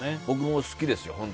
僕も好きですよ。